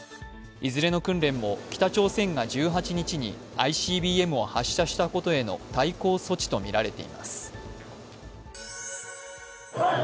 いずれの訓練も北朝鮮が１８日にＩＣＢＭを発射したことへの対抗措置とみられています。